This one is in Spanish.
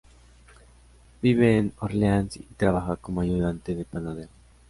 Vive en Orleans y trabaja como ayudante de panadero.